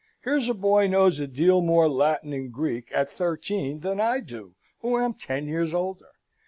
Here's a boy knows a deal more Latin and Greek, at thirteen, than I do, who am ten years older.